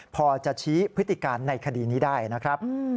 พอจะชี้พฤติการในคดีนี้ได้นะครับ